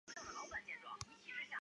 谢尔比。